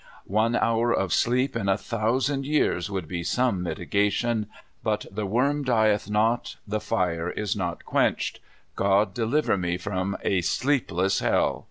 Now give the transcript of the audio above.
One hour of sleep in a thousand years would be some mitigation ; but the worm dieth not, the lire is not quenched. God deliver me from a sleepless hell!